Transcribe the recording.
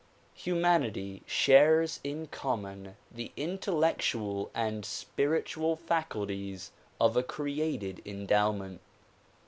Humanity shares in common the intellectual and spiritual fac ulties of a created endowment.